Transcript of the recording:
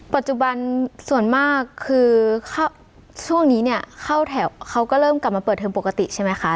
ปัจจุบันส่วนมากคือช่วงนี้เนี่ยเข้าแถวเขาก็เริ่มกลับมาเปิดเทอมปกติใช่ไหมคะ